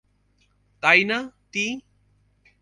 তাই না, টি?